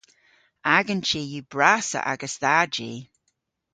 Agan chi yw brassa ages dha ji.